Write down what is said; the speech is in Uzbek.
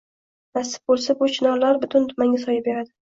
Nasib bo‘lsa, bu chinorlar butun tumanga soya beradi!